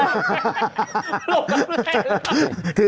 หลงรับแรกหรือเปล่า